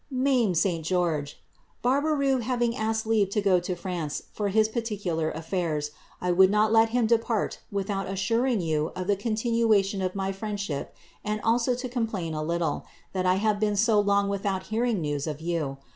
]" Mamie St. George, "Bnrbereau having asked leave to go to France for his particiilar a&irs, I would not let him depart without assuring you of ihc continuation of my friend* ship, and also to complain a little, tliat I have been so long without hearing news of you.